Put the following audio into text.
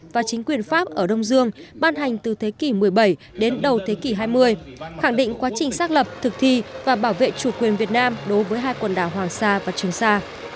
và chính quyền pháp ở đông dương ban hành từ thế kỷ một mươi bảy đến đầu thế kỷ hai mươi khẳng định quá trình xác lập thực thi và bảo vệ chủ quyền việt nam đối với hai quần đảo hoàng sa và trường sa